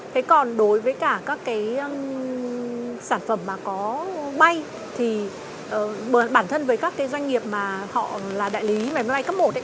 thế còn đối với cả các cái sản phẩm mà có may thì bản thân với các cái doanh nghiệp mà họ là đại lý máy bay cấp một ấy